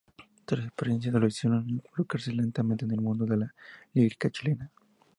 Estas experiencias lo hicieron involucrarse lentamente en el mundo de la lírica chilena.